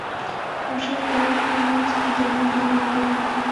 — Ушет каен мо, Ненси, тиде лийынат ок керт!